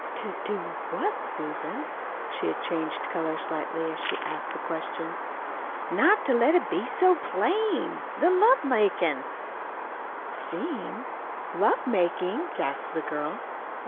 "To do what, Susan?" She had changed color slightly, as she asked the question. "Not let it be seen so plain the love makin'." "Seen! Love making!" gasped the girl.